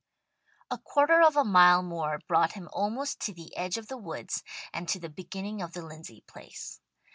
A quarter of a mile more brought him almost to the edge of the woods and to the beginning of the Lindsey place.